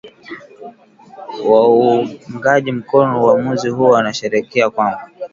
Waungaji mkono uwamuzi huo wanasherehekea kwamba